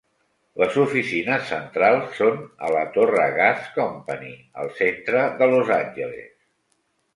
Les oficines centrals són a la torre Gas Company al centre de Los Angeles.